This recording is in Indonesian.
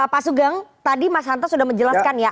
pasugeng tadi mas hanta sudah menjelaskan ya